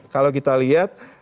kalau kita lihat